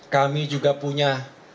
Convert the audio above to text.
kami juga punya